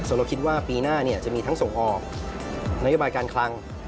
ส่วนเราคิดว่าปีหน้าจะมีทั้งส่งออกนโยบายการคลัง